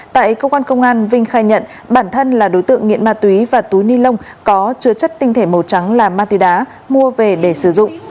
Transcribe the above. tại cơ quan công an vinh khai nhận bản thân là đối tượng nghiện ma túy và túi ni lông có chứa chất tinh thể màu trắng là ma túy đá mua về để sử dụng